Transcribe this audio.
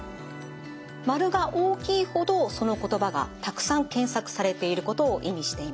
丸が大きいほどその言葉がたくさん検索されていることを意味しています。